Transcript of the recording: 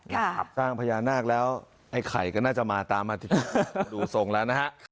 สร้างพญานาคแล้วไอ้ไข่ก็น่าจะมาตามมาดูทรงแล้วนะฮะ